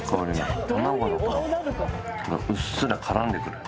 卵のうっすら絡んでくる。